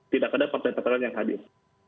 tidak ada partai partai lain yang hadir